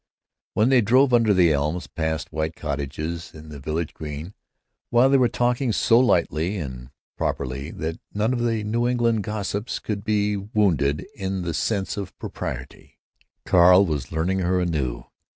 While they drove under the elms, past white cottages and the village green, while they were talking so lightly and properly that none of the New England gossips could be wounded in the sense of propriety, Carl was learning her anew.